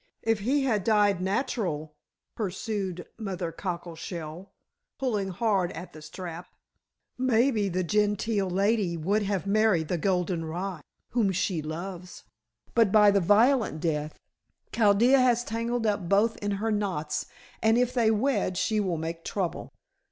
"If he had died natural," pursued Mother Cockleshell, pulling hard at a strap, "maybe the Gentile lady would have married the golden rye, whom she loves. But by the violent death, Chaldea has tangled up both in her knots, and if they wed she will make trouble."